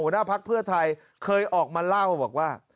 หัวหน้าภักดิ์เพื่อไทยเคยออกมาเล่าว่า